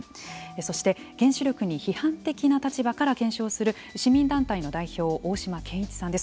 そして、原子力に批判的な立場から検証する市民団体の代表大島堅一さんです。